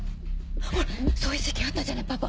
ほらそういう事件あったじゃないパパ。